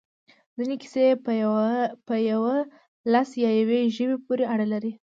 ځینې کیسې په یوه ولس یا یوې ژبې پورې اړه لري.